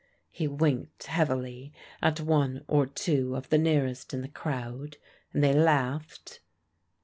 He winked heavily at one or two of the nearest in the crowd, and they laughed.